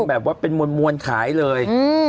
ไปทำแบบว่าเป็นมวลขายเลย